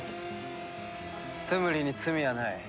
ツムリに罪はない。